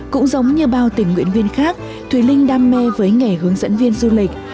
cũng giống như bao tình nguyện viên khác thùy linh đam mê với nghề hướng dẫn viên du lịch